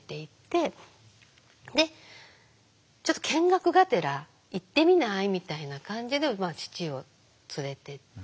で「ちょっと見学がてら行ってみない？」みたいな感じで父を連れていって。